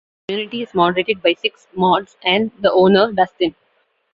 Currently, this community is moderated by six "mods," and the owner, Dustin.